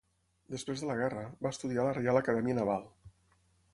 Després de la guerra, va estudiar a la Reial Acadèmia Naval.